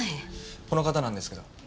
この方なんですけど。